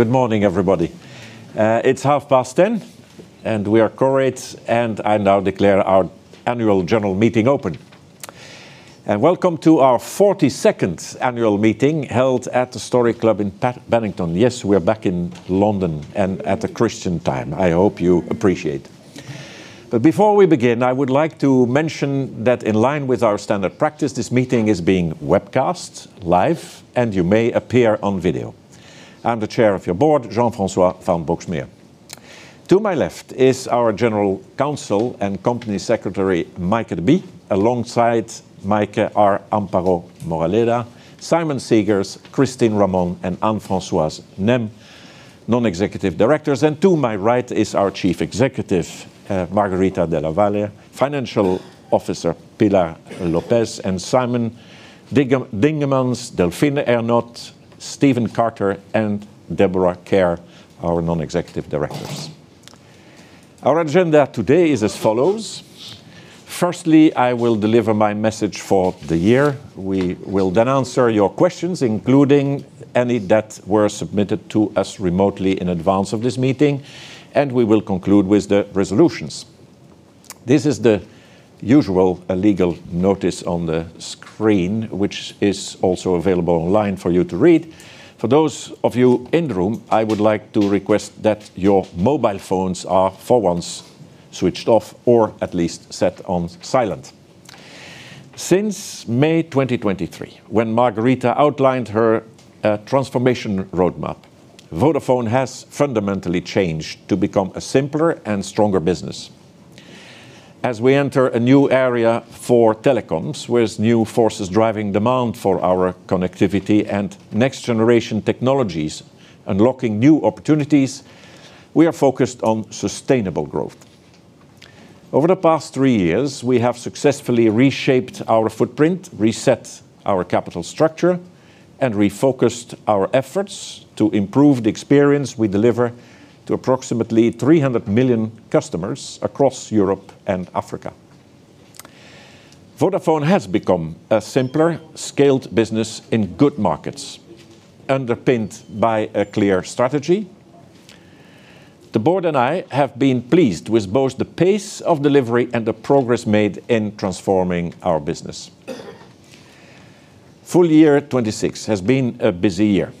Good morning, everybody. It's 10:30 and we are quorate. I now declare our annual general meeting open. Welcome to our 42nd annual meeting, held at the Storey Club in Paddington. Yes, we are back in London and at a Christian time. I hope you appreciate. Before we begin, I would like to mention that in line with our standard practice, this meeting is being webcast live and you may appear on video. I'm the chair of your board, Jean-François van Boxmeer. To my left is our Group General Counsel and Company Secretary, Maaike de Bie. Alongside Maaike are Amparo Moraleda, Simon Segars, Christine Ramon, and Anne-Françoise Nesmes, non-executive directors. To my right is our Chief Executive, Margherita Della Valle, Chief Financial Officer Pilar López, and Simon Dingemans, Delphine Ernotte, Stephen Carter, and Deborah Kerr, our non-executive directors. Our agenda today is as follows. Firstly, I will deliver my message for the year. We will then answer your questions, including any that were submitted to us remotely in advance of this meeting, and we will conclude with the resolutions. This is the usual legal notice on the screen, which is also available online for you to read. For those of you in the room, I would like to request that your mobile phones are, for once, switched off or at least set on silent. Since May 2023, when Margherita outlined her transformation roadmap, Vodafone has fundamentally changed to become a simpler and stronger business. As we enter a new era for telecoms, with new forces driving demand for our connectivity and next-generation technologies unlocking new opportunities, we are focused on sustainable growth. Over the past three years, we have successfully reshaped our footprint, reset our capital structure, and refocused our efforts to improve the experience we deliver to approximately 300 million customers across Europe and Africa. Vodafone has become a simpler, scaled business in good markets, underpinned by a clear strategy. The board and I have been pleased with both the pace of delivery and the progress made in transforming our business. Full year 2026 has been a busy year.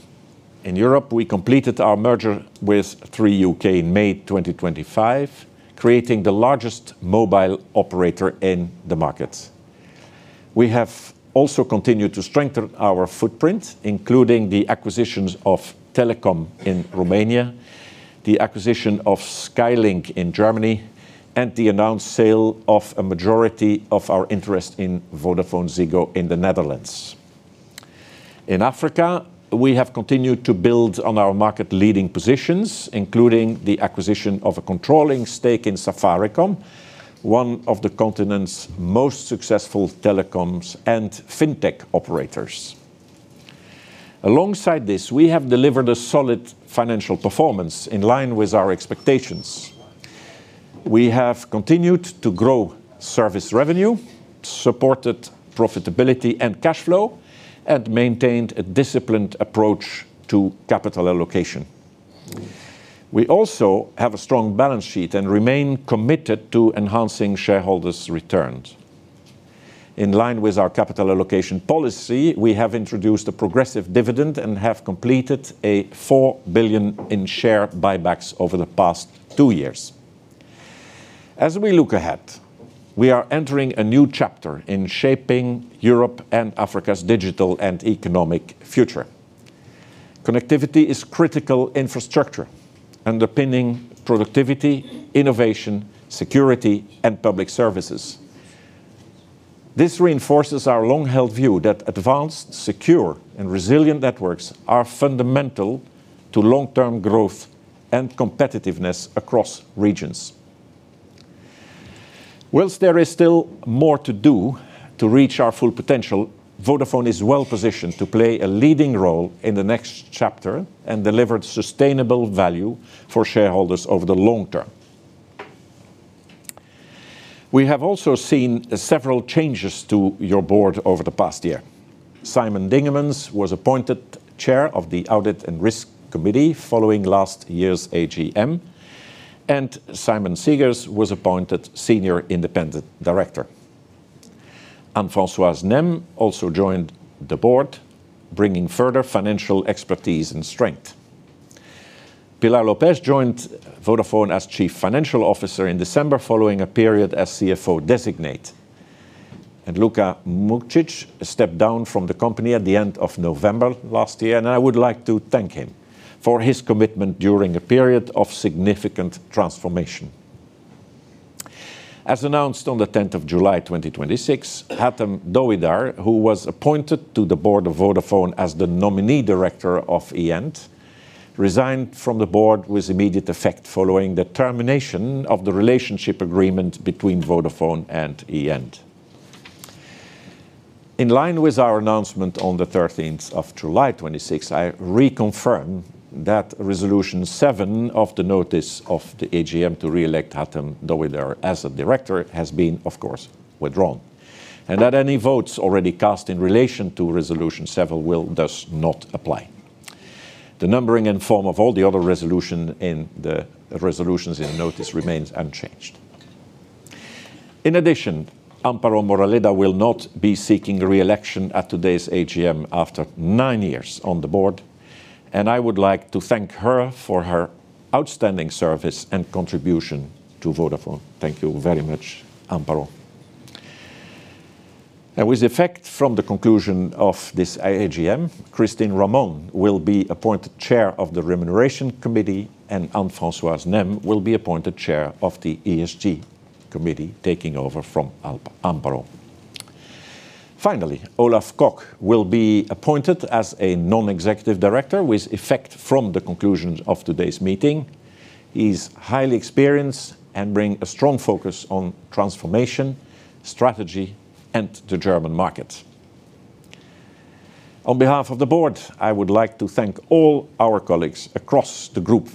In Europe, we completed our merger with Three UK in May 2025, creating the largest mobile operator in the market. We have also continued to strengthen our footprint, including the acquisitions of Telekom in Romania, the acquisition of Skaylink in Germany, and the announced sale of a majority of our interest in VodafoneZiggo in the Netherlands. In Africa, we have continued to build on our market-leading positions, including the acquisition of a controlling stake in Safaricom, one of the continent's most successful telecoms and fintech operators. Alongside this, we have delivered a solid financial performance in line with our expectations. We have continued to grow service revenue, supported profitability and cash flow, and maintained a disciplined approach to capital allocation. We also have a strong balance sheet and remain committed to enhancing shareholders' returns. In line with our capital allocation policy, we have introduced a progressive dividend and have completed 4 billion in share buybacks over the past two years. As we look ahead, we are entering a new chapter in shaping Europe and Africa's digital and economic future. Connectivity is critical infrastructure underpinning productivity, innovation, security, and public services. This reinforces our long-held view that advanced, secure, and resilient networks are fundamental to long-term growth and competitiveness across regions. While there is still more to do to reach our full potential, Vodafone is well positioned to play a leading role in the next chapter and deliver sustainable value for shareholders over the long term. We have also seen several changes to your board over the past year. Simon Dingemans was appointed chair of the Audit and Risk Committee following last year's AGM, and Simon Segars was appointed senior independent director. Anne-Françoise Nesmes also joined the board, bringing further financial expertise and strength. Pilar López joined Vodafone as chief financial officer in December following a period as CFO designate. Luka Mucic stepped down from the company at the end of November last year, and I would like to thank him for his commitment during a period of significant transformation. As announced on the 10th of July 2026, Hatem Dowidar, who was appointed to the board of Vodafone as the nominee director of e&, resigned from the board with immediate effect following the termination of the relationship agreement between Vodafone and e&. In line with our announcement on the 13th of July 2026, I reconfirm that Resolution 7 of the notice of the AGM to re-elect Hatem Dowidar as a director has been, of course, withdrawn, and that any votes already cast in relation to Resolution 7 will thus not apply. The numbering and form of all the other resolutions in the notice remains unchanged. In addition, Amparo Moraleda will not be seeking re-election at today's AGM after nine years on the board, and I would like to thank her for her outstanding service and contribution to Vodafone. Thank you very much, Amparo. With effect from the conclusion of this AGM, Christine Ramon will be appointed chair of the Remuneration Committee, and Anne-Françoise Nesmes will be appointed chair of the ESG Committee, taking over from Amparo. Olaf Koch will be appointed as a non-executive director with effect from the conclusions of today's meeting. He's highly experienced and brings a strong focus on transformation, strategy, and the German market. On behalf of the board, I would like to thank all our colleagues across the group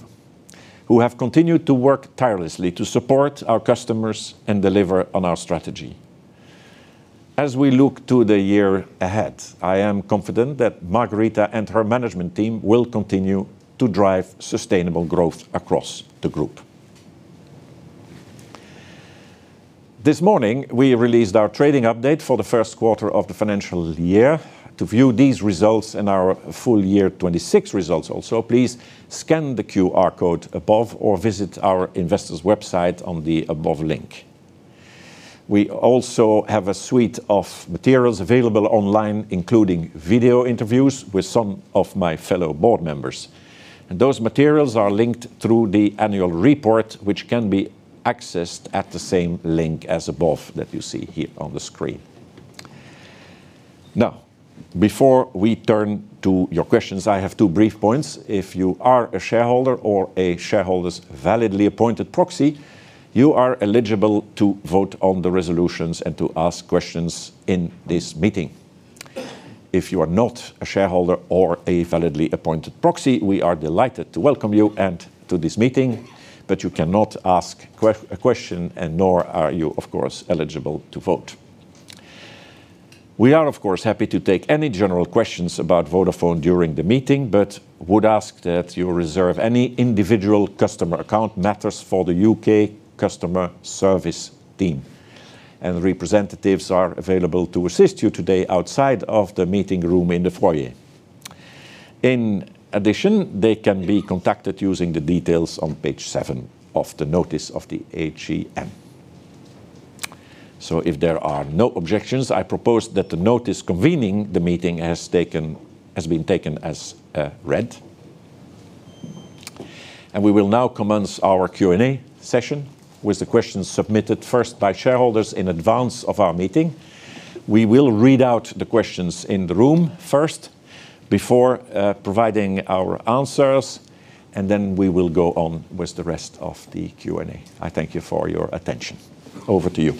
who have continued to work tirelessly to support our customers and deliver on our strategy. As we look to the year ahead, I am confident that Margherita and her management team will continue to drive sustainable growth across the group. This morning, we released our trading update for the first quarter of the financial year. To view these results and our full year 2026 results also, please scan the QR code above or visit our investors website on the above link. We also have a suite of materials available online, including video interviews with some of my fellow board members. Those materials are linked through the annual report, which can be accessed at the same link as above that you see here on the screen. Before we turn to your questions, I have two brief points. If you are a shareholder or a shareholder's validly appointed proxy, you are eligible to vote on the resolutions and to ask questions in this meeting. If you are not a shareholder or a validly appointed proxy, we are delighted to welcome you to this meeting, but you cannot ask a question and nor are you, of course, eligible to vote. We are, of course, happy to take any general questions about Vodafone during the meeting, but would ask that you reserve any individual customer account matters for the U.K. customer service team, and representatives are available to assist you today outside of the meeting room in the foyer. In addition, they can be contacted using the details on page seven of the notice of the AGM. I propose that the notice convening the meeting has been taken as read. We will now commence our Q&A session with the questions submitted first by shareholders in advance of our meeting. We will read out the questions in the room first before providing our answers, and then we will go on with the rest of the Q&A. I thank you for your attention. Over to you.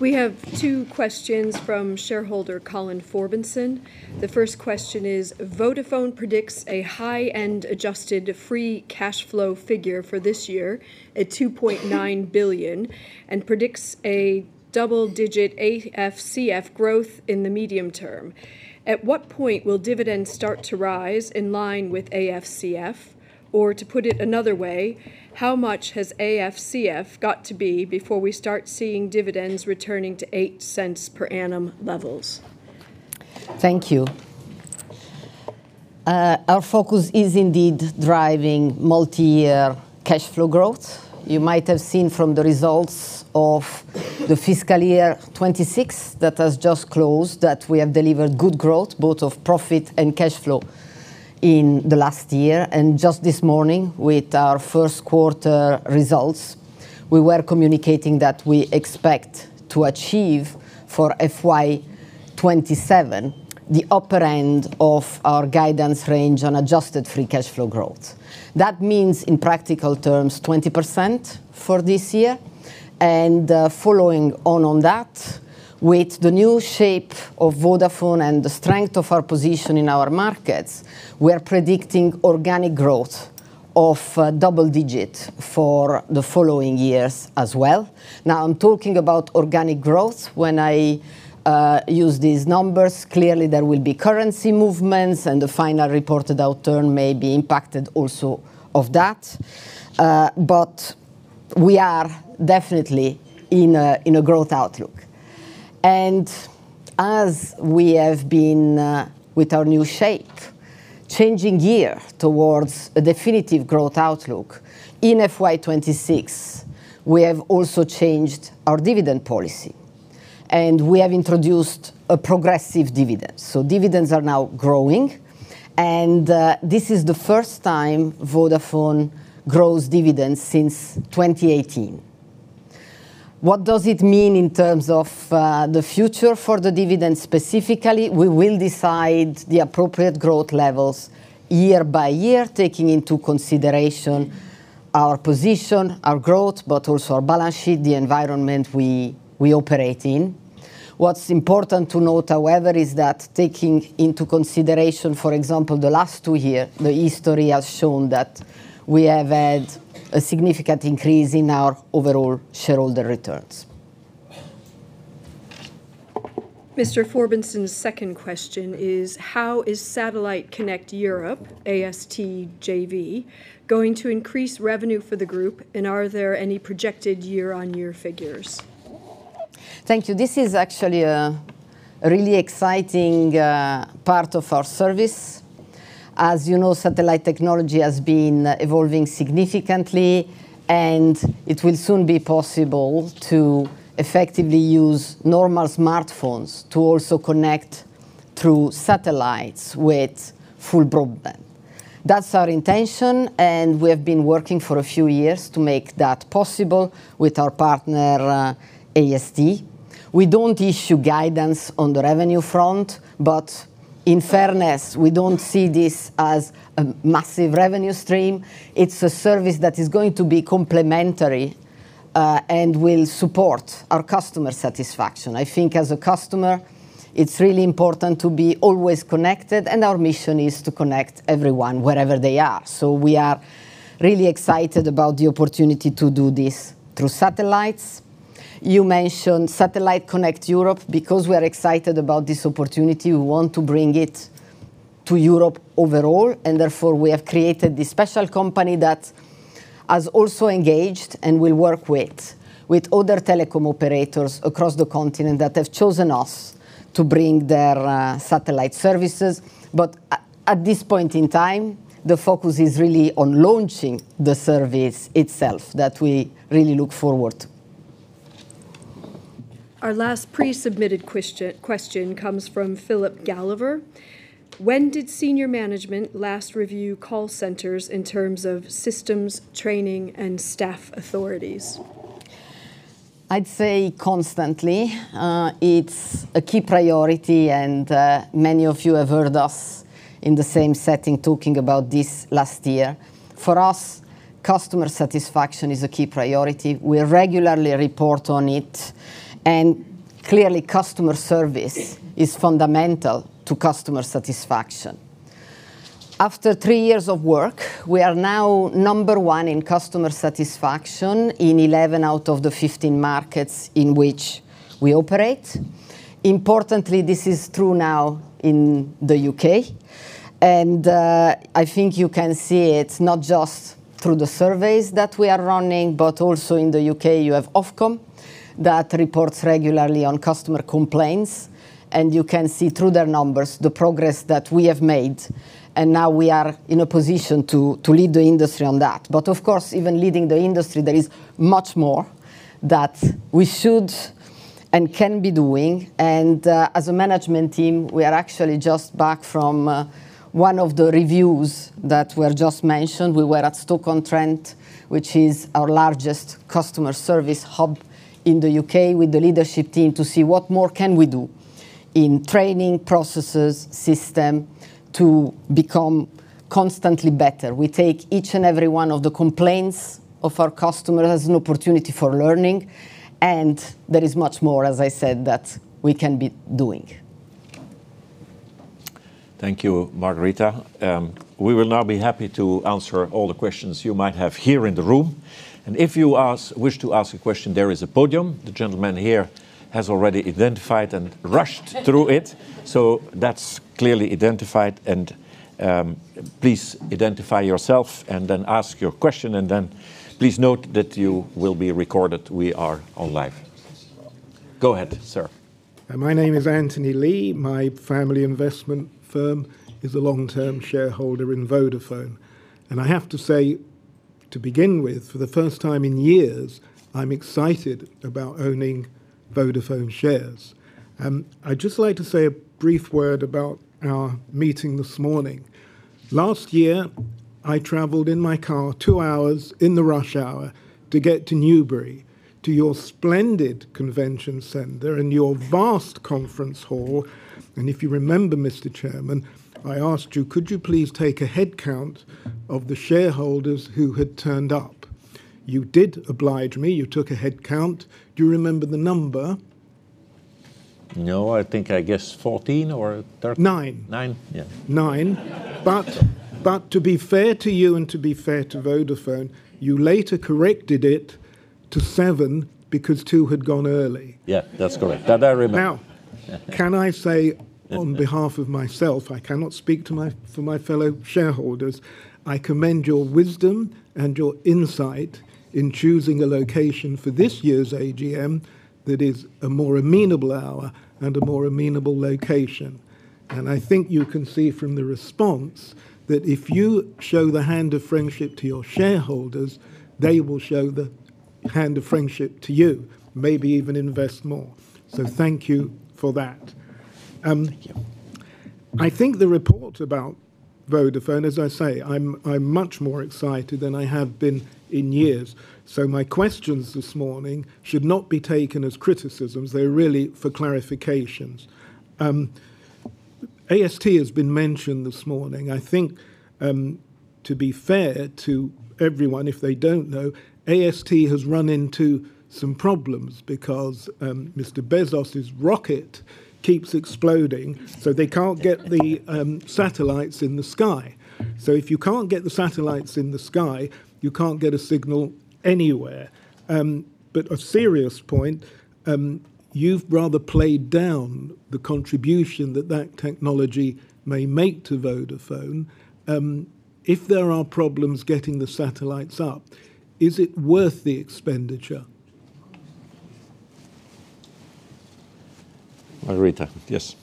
We have two questions from shareholder Colin Formbinson. The first question is: Vodafone predicts a high-end adjusted free cash flow figure for this year at 2.9 billion and predicts a double-digit AFCF growth in the medium term. At what point will dividends start to rise in line with AFCF? To put it another way, how much has AFCF got to be before we start seeing dividends returning to 0.08 per annum levels? Thank you. Our focus is indeed driving multi-year cash flow growth. You might have seen from the results of the fiscal year 2026 that has just closed that we have delivered good growth both of profit and cash flow in the last year. Just this morning, with our first quarter results, we were communicating that we expect to achieve for FY 2027 the upper end of our guidance range on adjusted free cash flow growth. That means, in practical terms, 20% for this year. Following on that, with the new shape of Vodafone and the strength of our position in our markets, we are predicting organic growth of double digits for the following years as well. I'm talking about organic growth when I use these numbers. Clearly, there will be currency movements, and the final reported outturn may be impacted also of that. We are definitely in a growth outlook. As we have been with our new shape, changing gear towards a definitive growth outlook in FY 2026, we have also changed our dividend policy, and we have introduced a progressive dividend. Dividends are now growing, and this is the first time Vodafone grows dividends since 2018. What does it mean in terms of the future for the dividend specifically? We will decide the appropriate growth levels year-by-year, taking into consideration our position, our growth, but also our balance sheet, the environment we operate in. What's important to note, however, is that taking into consideration, for example, the last two years, the history has shown that we have had a significant increase in our overall shareholder returns. Mr. Formbinson's second question is: How is Satellite Connect Europe, AST JV, going to increase revenue for the group? Are there any projected year-on-year figures? Thank you. This is actually a really exciting part of our service. As you know, satellite technology has been evolving significantly. It will soon be possible to effectively use normal smartphones to also connect through satellites with full broadband. That's our intention. We have been working for a few years to make that possible with our partner, AST. We don't issue guidance on the revenue front. In fairness, we don't see this as a massive revenue stream. It's a service that is going to be complementary and will support our customer satisfaction. I think as a customer, it's really important to be always connected. Our mission is to connect everyone wherever they are. We are really excited about the opportunity to do this through satellites. You mentioned Satellite Connect Europe, because we are excited about this opportunity. We want to bring it to Europe overall. Therefore, we have created this special company that has also engaged and will work with other telecom operators across the continent that have chosen us to bring their satellite services. At this point in time, the focus is really on launching the service itself, that we really look forward. Our last pre-submitted question comes from Philip Galliver. When did senior management last review call centers in terms of systems, training, and staff authorities? I'd say constantly. It's a key priority. Many of you have heard us in the same setting talking about this last year. For us, customer satisfaction is a key priority. We regularly report on it. Clearly, customer service is fundamental to customer satisfaction. After three years of work, we are now number one in customer satisfaction in 11 out of the 15 markets in which we operate. Importantly, this is true now in the U.K. I think you can see it not just through the surveys that we are running, but also in the U.K., you have Ofcom that reports regularly on customer complaints. You can see through their numbers the progress that we have made. Now we are in a position to lead the industry on that. Of course, even leading the industry, there is much more that we should and can be doing. As a management team, we are actually just back from one of the reviews that were just mentioned. We were at Stoke-on-Trent, which is our largest customer service hub in the U.K., with the leadership team to see what more can we do in training processes, system to become constantly better. We take each and every one of the complaints of our customers as an opportunity for learning. There is much more, as I said, that we can be doing. Thank you, Margherita. We will now be happy to answer all the questions you might have here in the room. If you wish to ask a question, there is a podium. The gentleman here has already identified and rushed through it, so that's clearly identified. Please identify yourself and then ask your question. Please note that you will be recorded. We are on live. Go ahead, sir. My name is Anthony Lee. My family investment firm is a long-term shareholder in Vodafone. I have to say, to begin with, for the first time in years, I'm excited about owning Vodafone shares. I'd just like to say a brief word about our meeting this morning. Last year, I traveled in my car two hours in the rush hour to get to Newbury, to your splendid convention center and your vast conference hall. If you remember, Mr. Chairman, I asked you, could you please take a head count of the shareholders who had turned up? You did oblige me. You took a head count. Do you remember the number? No, I think, I guess 14. Nine. Nine? Yeah. Nine. To be fair to you and to be fair to Vodafone, you later corrected it to seven because two had gone early. Yeah, that's correct. That I remember. I cannot speak for my fellow shareholders, I commend your wisdom and your insight in choosing a location for this year's AGM that is a more amenable hour and a more amenable location. I think you can see from the response that if you show the hand of friendship to your shareholders, they will show the hand of friendship to you, maybe even invest more. Thank you for that. Thank you. I think the report about Vodafone, as I say, I'm much more excited than I have been in years. My questions this morning should not be taken as criticisms. They're really for clarifications. AST has been mentioned this morning. I think, to be fair to everyone, if they don't know, AST has run into some problems because Mr. Bezos' rocket keeps exploding. They can't get the satellites in the sky. If you can't get the satellites in the sky, you can't get a signal anywhere. A serious point, you've rather played down the contribution that that technology may make to Vodafone. If there are problems getting the satellites up, is it worth the expenditure? Margherita, yes.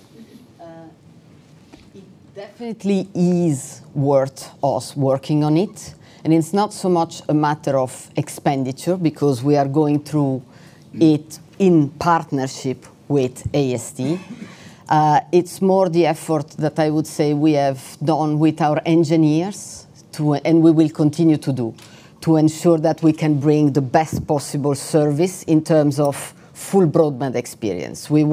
It definitely is worth us working on it, and it's not so much a matter of expenditure because we are going through it in partnership with AST. It's more the effort that I would say we have done with our engineers, and we will continue to do, to ensure that we can bring the best possible service in terms of full broadband experience. We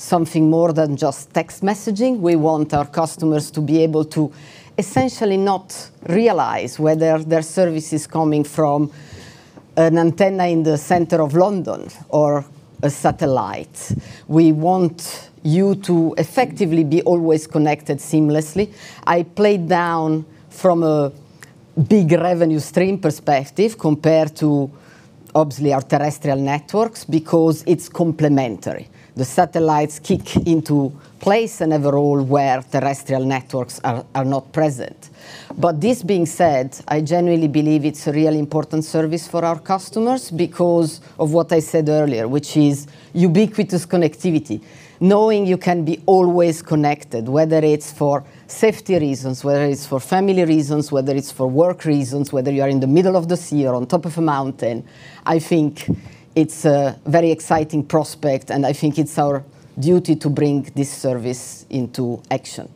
want something more than just text messaging. We want our customers to be able to essentially not realize whether their service is coming from an antenna in the center of London or a satellite. We want you to effectively be always connected seamlessly. I played down from a big revenue stream perspective, compared to, obviously, our terrestrial networks, because it's complementary. The satellites kick into place and have a role where terrestrial networks are not present. This being said, I genuinely believe it's a really important service for our customers because of what I said earlier, which is ubiquitous connectivity. Knowing you can be always connected, whether it's for safety reasons, whether it's for family reasons, whether it's for work reasons, whether you're in the middle of the sea or on top of a mountain. I think it's a very exciting prospect, and I think it's our duty to bring this service into action.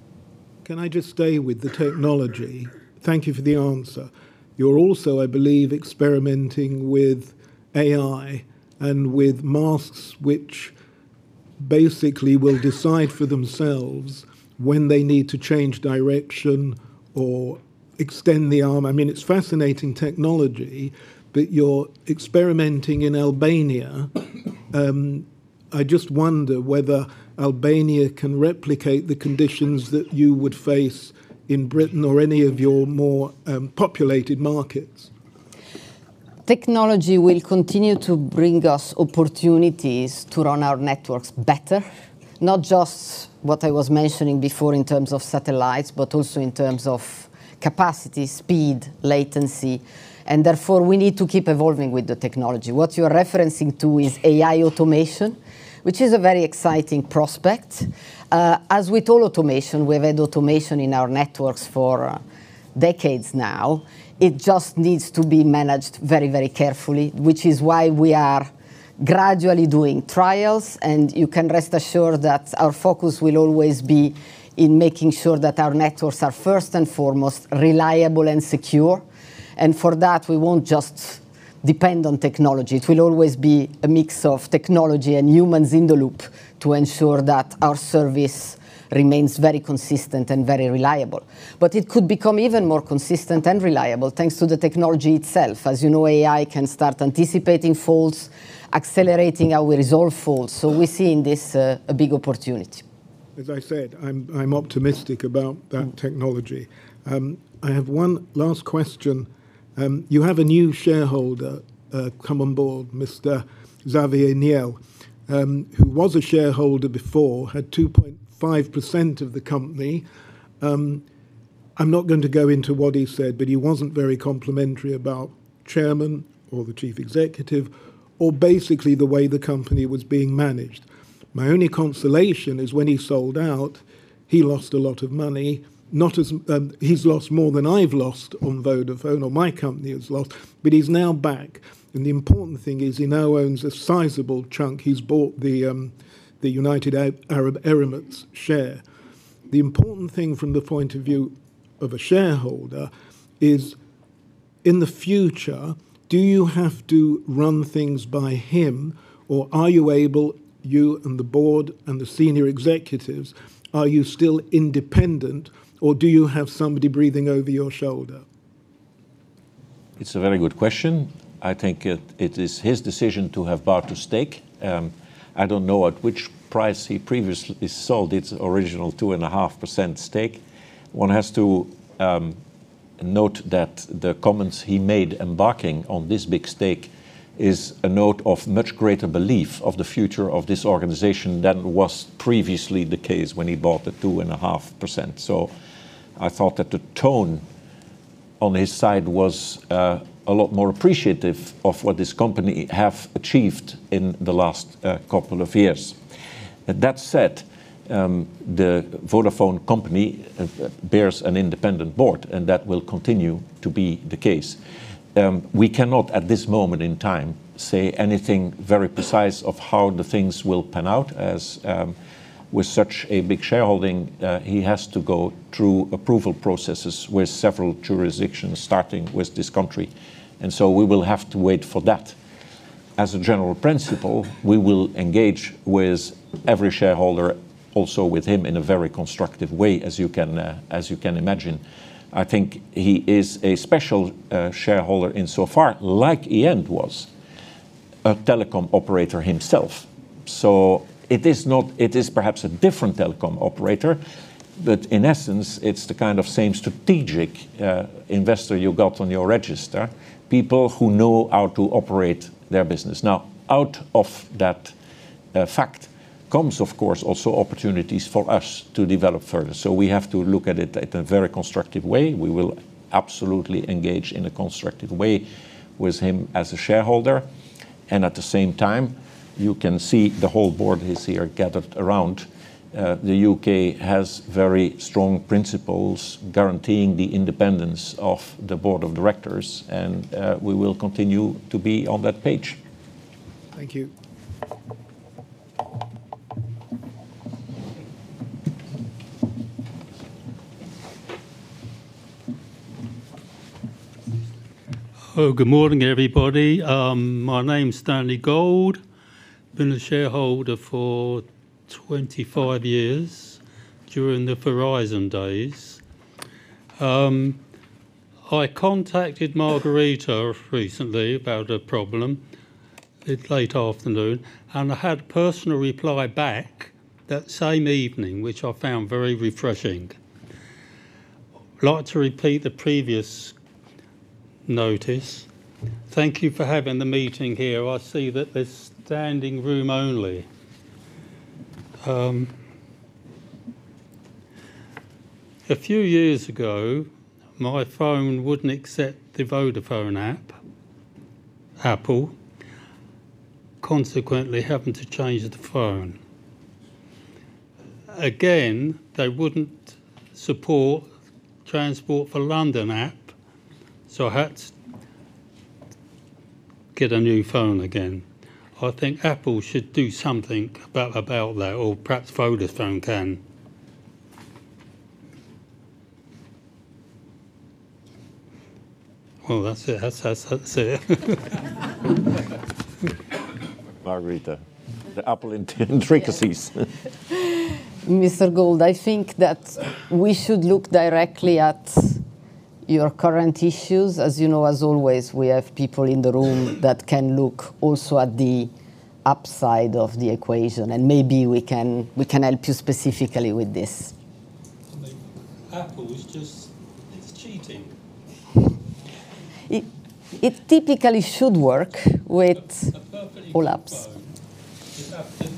Can I just stay with the technology? Thank you for the answer. You're also, I believe, experimenting with AI and with masts which basically will decide for themselves when they need to change direction or extend the arm. It's fascinating technology, but you're experimenting in Albania. I just wonder whether Albania can replicate the conditions that you would face in Britain or any of your more populated markets. Technology will continue to bring us opportunities to run our networks better. Not just what I was mentioning before in terms of satellites, but also in terms of capacity, speed, latency, and therefore, we need to keep evolving with the technology. What you're referencing to is AI automation, which is a very exciting prospect. As with all automation, we've had automation in our networks for decades now, it just needs to be managed very carefully, which is why we are gradually doing trials, and you can rest assured that our focus will always be in making sure that our networks are first and foremost reliable and secure. For that, we won't just depend on technology. It will always be a mix of technology and humans in the loop to ensure that our service remains very consistent and very reliable. It could become even more consistent and reliable, thanks to the technology itself. As you know, AI can start anticipating faults, accelerating our resolve faults. We see in this, a big opportunity. As I said, I'm optimistic about that technology. I have one last question. You have a new shareholder come on board, Mr. Xavier Niel, who was a shareholder before, had 2.5% of the company. I'm not going to go into what he said, but he wasn't very complimentary about chairman or the chief executive, or basically the way the company was being managed. My only consolation is when he sold out, he lost a lot of money. He's lost more than I've lost on Vodafone, or my company has lost, but he's now back. The important thing is he now owns a sizable chunk. He's bought the United Arab Emirates share. The important thing from the point of view of a shareholder is, in the future, do you have to run things by him, or are you able, you and the board, and the senior executives, are you still independent, or do you have somebody breathing over your shoulder? It's a very good question. I think it is his decision to have bought a stake. I don't know at which price he previously sold its original 2.5% stake. One has to note that the comments he made embarking on this big stake is a note of much greater belief of the future of this organization than was previously the case when he bought the 2.5%. I thought that the tone on his side was a lot more appreciative of what this company have achieved in the last couple of years. That said, the Vodafone company bears an independent board, and that will continue to be the case. We cannot, at this moment in time, say anything very precise of how the things will pan out, as with such a big shareholding, he has to go through approval processes with several jurisdictions, starting with this country. We will have to wait for that. As a general principle, we will engage with every shareholder. Also with him in a very constructive way, as you can imagine. I think he is a special shareholder in so far, like Niel was a telecom operator himself. It is perhaps a different telecom operator, but in essence, it's the kind of same strategic investor you got on your register, people who know how to operate their business. Out of that fact comes, of course, also opportunities for us to develop further. We have to look at it at a very constructive way. We will absolutely engage in a constructive way with him as a shareholder. At the same time, you can see the whole board is here gathered around. The U.K. has very strong principles guaranteeing the independence of the board of directors, we will continue to be on that page. Thank you. Hello. Good morning, everybody. My name's Stanley Gold. Been a shareholder for 25 years during the Verizon days. I contacted Margherita recently about a problem late afternoon, I had a personal reply back that same evening, which I found very refreshing. I'd like to repeat the previous notice. Thank you for having the meeting here. I see that there's standing room only. A few years ago, my phone wouldn't accept the Vodafone app, Apple. Consequently, having to change the phone. Again, they wouldn't support Transport for London app, I had to get a new phone again. I think Apple should do something about that, or perhaps Vodafone can. That's it. Margherita, the Apple intricacies. Mr. Gold, I think that we should look directly at your current issues. As you know, as always, we have people in the room that can look also at the upside of the equation, and maybe we can help you specifically with this. Apple is just cheating. It typically should work with all apps. A perfectly good phone. You'll have to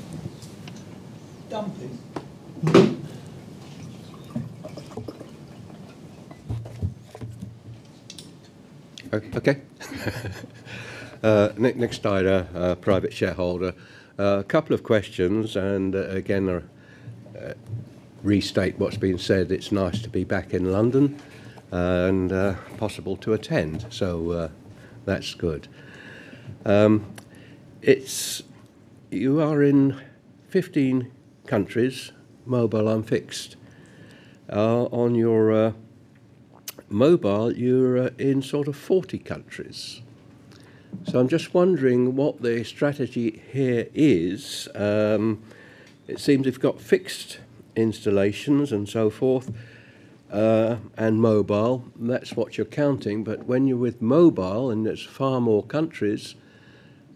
dump it. Okay. Nick Steiner, private shareholder. A couple of questions, and again, restate what's been said. It's nice to be back in London and possible to attend, so that's good. You are in 15 countries, mobile and fixed. On your mobile, you're in sort of 40 countries. I'm just wondering what the strategy here is. It seems you've got fixed installations and so forth, and mobile, and that's what you're counting. When you're with mobile, and it's far more countries,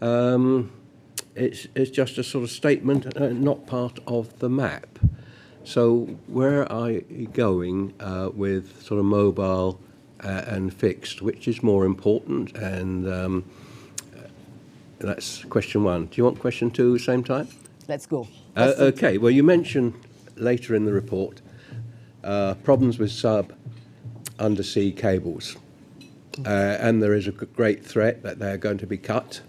it's just a sort of statement and not part of the map. Where are you going with sort of mobile and fixed, which is more important? That's question one. Do you want question two the same time? Let's go. Okay. Well, you mentioned later in the report problems with sub undersea cables. There is a great threat that they're going to be cut,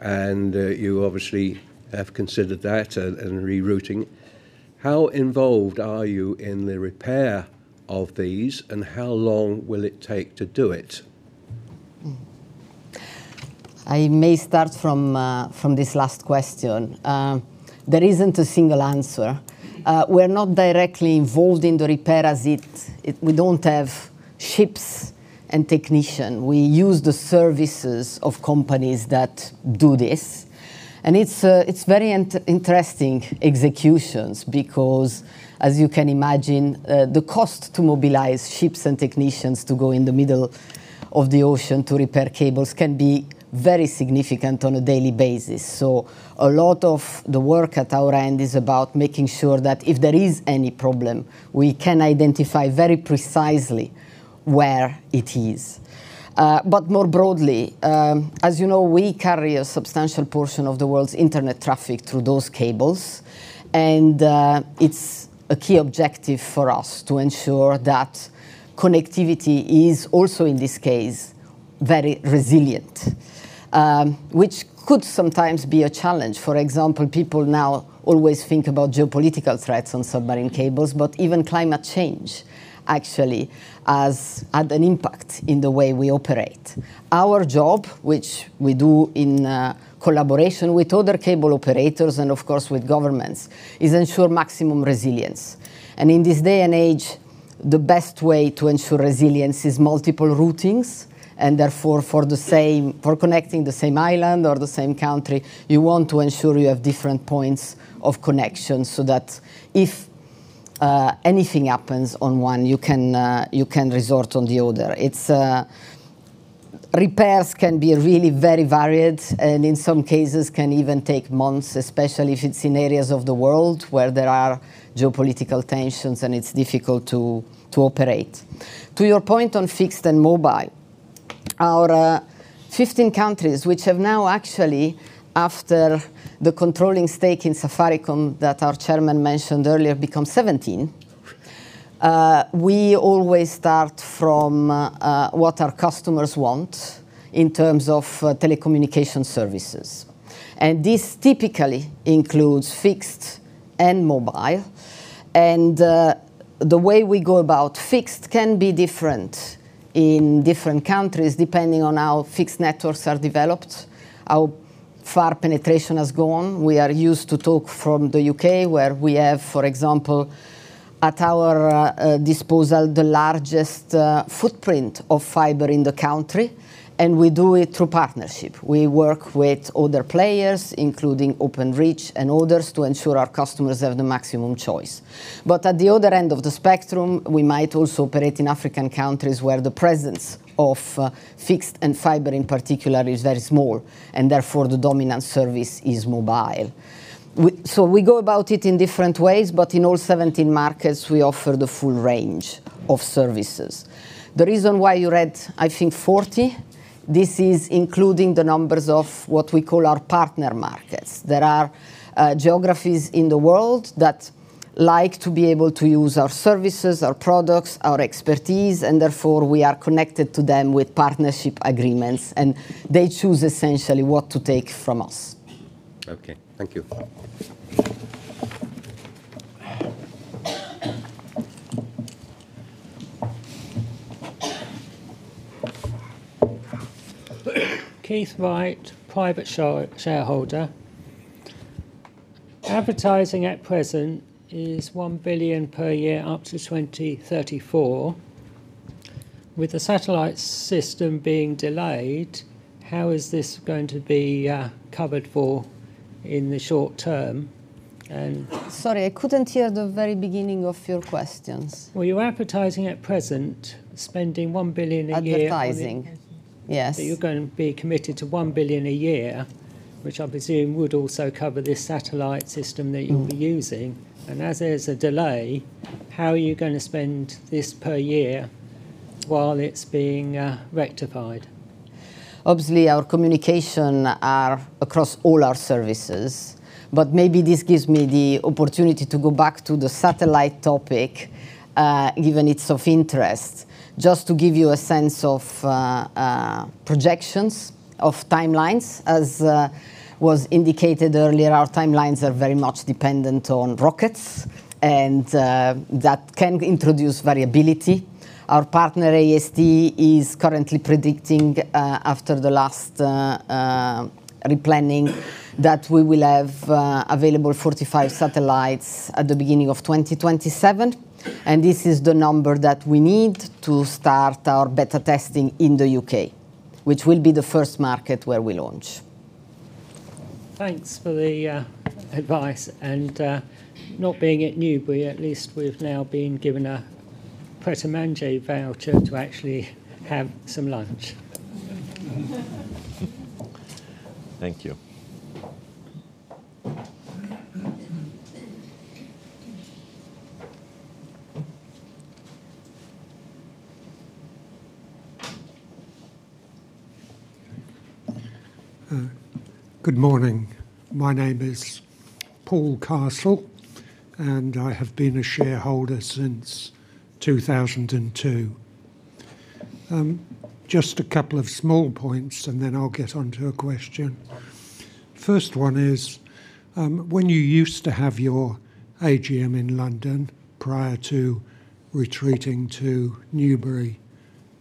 and you obviously have considered that and rerouting. How involved are you in the repair of these, and how long will it take to do it? I may start from this last question. There isn't a single answer. We're not directly involved in the repair as we don't have ships and technicians. It's very interesting execution because, as you can imagine, the cost to mobilize ships and technicians to go in the middle of the ocean to repair cables can be very significant on a daily basis. A lot of the work at our end is about making sure that if there is any problem, we can identify very precisely where it is. More broadly, as you know, we carry a substantial portion of the world's internet traffic through those cables, and it's a key objective for us to ensure that connectivity is also, in this case, very resilient, which could sometimes be a challenge. For example, people now always think about geopolitical threats on submarine cables. Even climate change actually has had an impact in the way we operate. Our job, which we do in collaboration with other cable operators and of course with governments, is ensure maximum resilience. In this day and age, the best way to ensure resilience is multiple routings. Therefore for connecting the same island or the same country, you want to ensure you have different points of connection so that if anything happens on one, you can resort on the other. Repairs can be really very varied, and in some cases can even take months, especially if it's in areas of the world where there are geopolitical tensions and it's difficult to operate. To your point on fixed and mobile, our 15 countries, which have now actually, after the controlling stake in Safaricom that our chairman mentioned earlier, become 17. We always start from what our customers want in terms of telecommunication services. This typically includes fixed and mobile. The way we go about fixed can be different in different countries depending on how fixed networks are developed, how far penetration has gone. We are used to talk from the U.K. where we have, for example, at our disposal, the largest footprint of fiber in the country, and we do it through partnership. We work with other players, including Openreach and others, to ensure our customers have the maximum choice. At the other end of the spectrum, we might also operate in African countries where the presence of fixed and fiber in particular is very small. Therefore the dominant service is mobile. We go about it in different ways, but in all 17 markets, we offer the full range of services. The reason why you read, I think 40, this is including the numbers of what we call our partner markets. There are geographies in the world that like to be able to use our services, our products, our expertise. Therefore we are connected to them with partnership agreements, and they choose essentially what to take from us. Okay. Thank you. Keith Wright, private shareholder. Advertising at present is 1 billion per year up to 2034. With the satellite system being delayed, how is this going to be covered for in the short term? Sorry, I couldn't hear the very beginning of your questions. Your advertising at present, spending 1 billion a year. Advertising. Yes That you're going to be committed to 1 billion a year, which I presume would also cover this satellite system that you'll be using. As there's a delay, how are you going to spend this per year while it's being rectified? Obviously, our communication are across all our services, maybe this gives me the opportunity to go back to the satellite topic, given it's of interest. Just to give you a sense of projections of timelines, as was indicated earlier, our timelines are very much dependent on rockets, that can introduce variability. Our partner, AST, is currently predicting, after the last replanning, that we will have available 45 satellites at the beginning of 2027. This is the number that we need to start our beta testing in the U.K., which will be the first market where we launch. Thanks for the advice. Not being at Newbury, at least we've now been given a Pret A Manger voucher to actually have some lunch. Thank you. Good morning. My name is Paul Castle, I have been a shareholder since 2002. Just a couple of small points, then I'll get onto a question. First one is, when you used to have your AGM in London prior to retreating to Newbury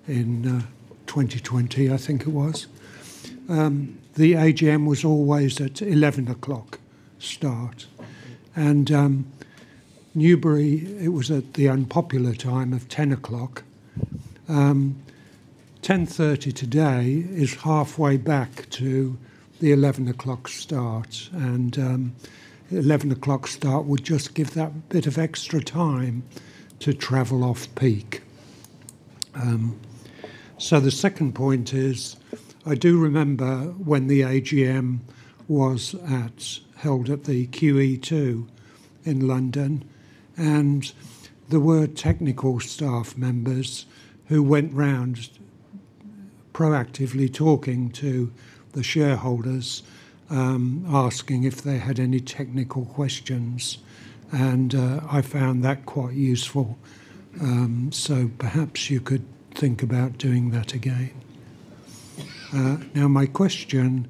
in 2020, I think it was. The AGM was always at 11:00 start. Newbury, it was at the unpopular time of 10:00. 10:30 today is halfway back to the 11:00 start, 11:00 start would just give that bit of extra time to travel off peak. The second point is, I do remember when the AGM was held at the QEII in London, there were technical staff members who went around just proactively talking to the shareholders, asking if they had any technical questions, I found that quite useful. Perhaps you could think about doing that again. Now my question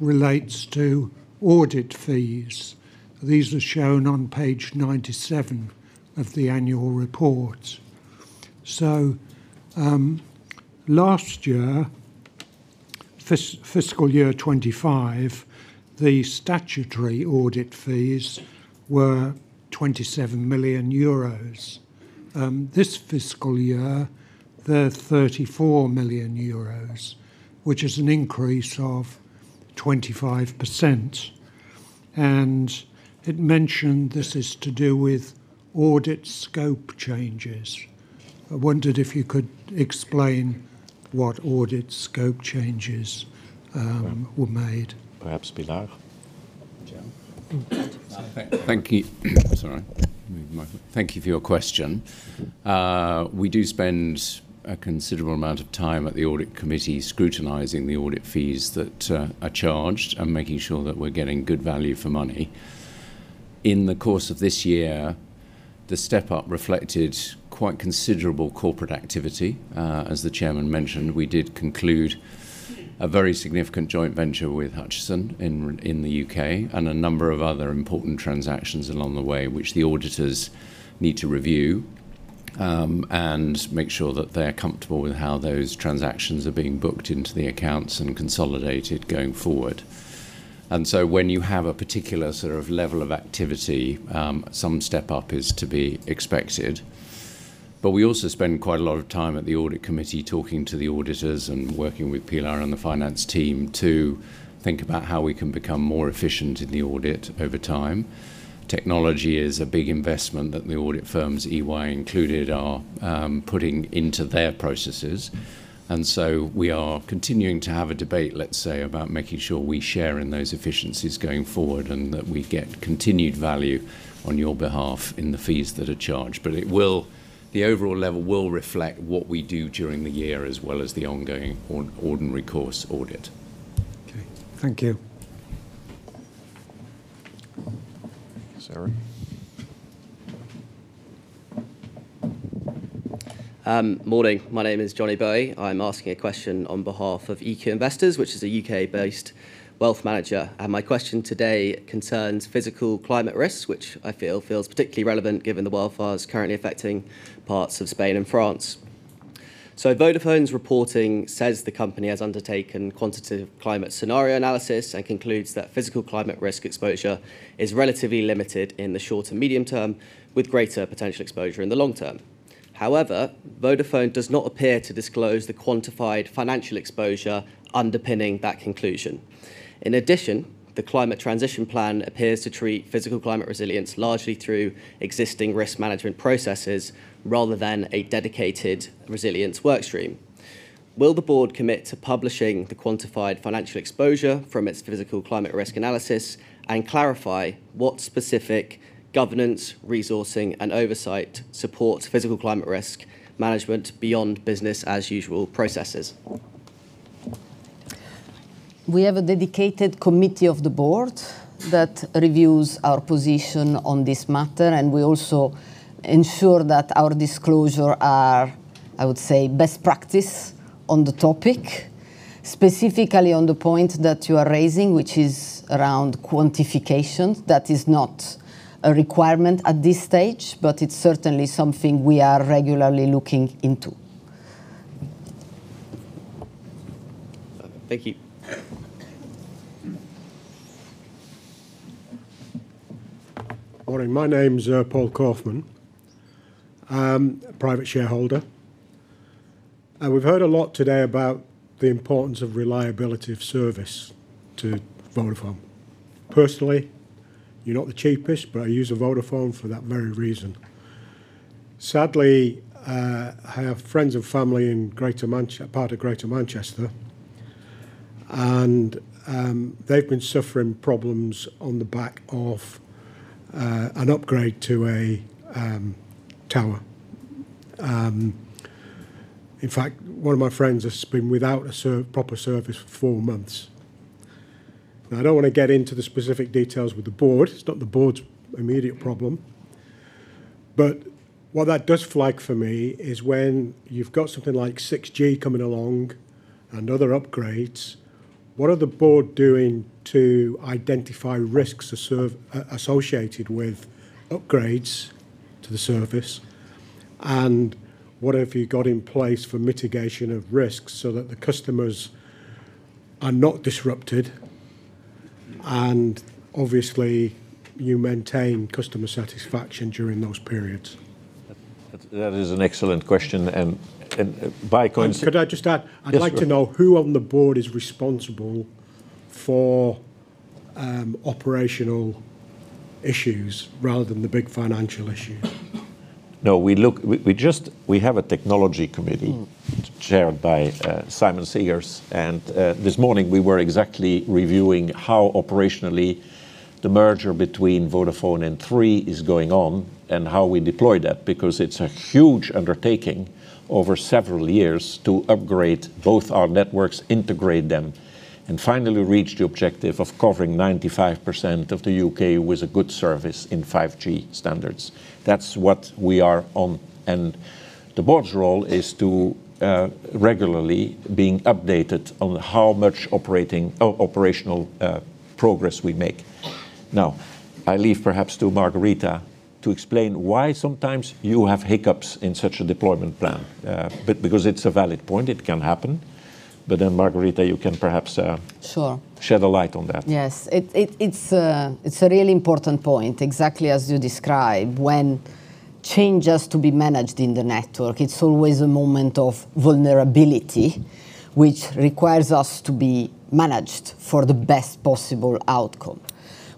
relates to audit fees. These are shown on page 97 of the annual report. Last year fiscal year 2025, the statutory audit fees were 27 million euros. This fiscal year, they're 34 million euros, which is an increase of 25%. It mentioned this is to do with audit scope changes. I wondered if you could explain what audit scope changes were made. Perhaps Pilar? Simon? Thank you. Sorry. Thank you for your question. We do spend a considerable amount of time at the audit committee scrutinizing the audit fees that are charged and making sure that we're getting good value for money. In the course of this year, the step-up reflected quite considerable corporate activity. As the chairman mentioned, we did conclude a very significant joint venture with Hutchison in the U.K. and a number of other important transactions along the way, which the auditors need to review, and make sure that they're comfortable with how those transactions are being booked into the accounts and consolidated going forward. When you have a particular sort of level of activity, some step up is to be expected. We also spend quite a lot of time at the audit committee talking to the auditors and working with Pilar and the finance team to think about how we can become more efficient in the audit over time. Technology is a big investment that the audit firms, EY included, are putting into their processes. We are continuing to have a debate, let's say, about making sure we share in those efficiencies going forward, and that we get continued value on your behalf in the fees that are charged. The overall level will reflect what we do during the year as well as the ongoing ordinary course audit. Okay. Thank you. Sir? Morning. My name is Johnny Bowie. I'm asking a question on behalf of EQ Investors, which is a U.K.-based wealth manager. My question today concerns physical climate risks, which I feel particularly relevant given the wildfires currently affecting parts of Spain and France. Vodafone's reporting says the company has undertaken quantitative climate scenario analysis and concludes that physical climate risk exposure is relatively limited in the short and medium term, with greater potential exposure in the long term. However, Vodafone does not appear to disclose the quantified financial exposure underpinning that conclusion. In addition, the climate transition plan appears to treat physical climate resilience largely through existing risk management processes rather than a dedicated resilience work stream. Will the board commit to publishing the quantified financial exposure from its physical climate risk analysis and clarify what specific governance, resourcing, and oversight supports physical climate risk management beyond business as usual processes? We have a dedicated committee of the board that reviews our position on this matter, and we also ensure that our disclosure are, I would say, best practice on the topic. Specifically on the point that you are raising, which is around quantification, that is not a requirement at this stage, but it's certainly something we are regularly looking into. Thank you. Morning. My name's Paul Kaufman, private shareholder. We've heard a lot today about the importance of reliability of service to Vodafone. Personally, you're not the cheapest, but I use Vodafone for that very reason. Sadly, I have friends and family in part of Greater Manchester and they've been suffering problems on the back of an upgrade to a tower. In fact, one of my friends has been without a proper service for four months. Now, I don't want to get into the specific details with the board. It's not the board's immediate problem. What that does flag for me is when you've got something like 6G coming along and other upgrades, what are the board doing to identify risks associated with upgrades to the service, and what have you got in place for mitigation of risks so that the customers are not disrupted and obviously you maintain customer satisfaction during those periods? That is an excellent question. Could I just add? Yes. I'd like to know who on the board is responsible for operational issues rather than the big financial issues. We have a technology committee chaired by Simon Segars, this morning we were exactly reviewing how operationally the merger between Vodafone and Three is going on, and how we deploy that, because it's a huge undertaking over several years to upgrade both our networks, integrate them, and finally reach the objective of covering 95% of the U.K. with a good service in 5G standards. That's what we are on. The board's role is to regularly being updated on how much operational progress we make. I leave perhaps to Margherita to explain why sometimes you have hiccups in such a deployment plan. It's a valid point, it can happen. Margherita, you can perhaps- Sure. -shed a light on that. Yes. It's a really important point, exactly as you describe. When change has to be managed in the network, it's always a moment of vulnerability, which requires us to be managed for the best possible outcome.